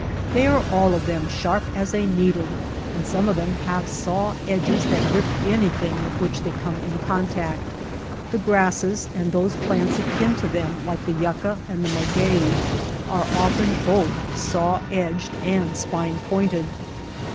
They are all of them sharp as a needle and some of them have saw edges that rip anything with which they come in contact. The grasses, and those plants akin to them like the yucca and the maguey, are often both saw edged and spine pointed.